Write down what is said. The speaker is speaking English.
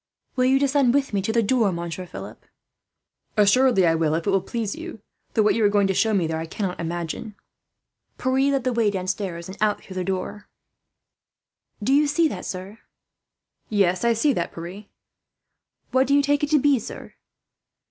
"Will you descend with me to the door, Monsieur Philip?" "Assuredly I will, if it will please you; though what you are going to show me there, I cannot imagine." Pierre led the way downstairs and out through the door. "Do you see that, sir?" "Yes, I see that, Pierre." "What do you take it to be, sir?"